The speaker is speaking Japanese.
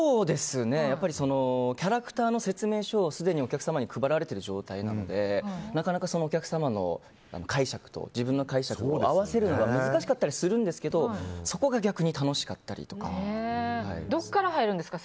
キャラクターの説明書がすでにお客様に配られている状態なのでなかなかお客様の解釈と自分の解釈を合わせるのが難しかったりしますがどこから入るんですか？